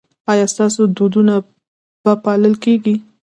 ایا ستاسو دودونه به پالل کیږي؟